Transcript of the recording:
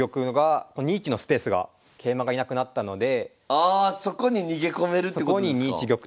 ああそこに逃げ込めるってことですか？